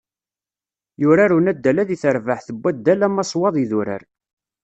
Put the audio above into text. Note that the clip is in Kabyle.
Yurar unaddal-a deg terbaεt n waddal amaswaḍ Idurar.